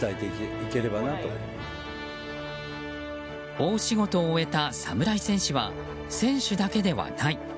大仕事を終えた侍戦士は選手だけではない。